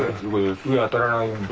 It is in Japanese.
上当たらないように。